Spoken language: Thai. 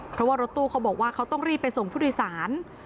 เพราะว่ารถตู้เขาบอกว่าเขาต้องรีบไปส่งผู้โดยสาร